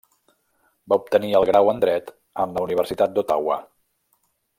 Va obtenir el grau en Dret en la Universitat d'Ottawa.